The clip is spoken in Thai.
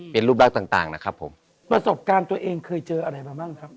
เป็นรูปรักต่างต่างนะครับผมประสบการณ์ตัวเองเคยเจออะไรมาบ้างครับ